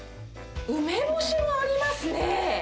梅干しもありますね。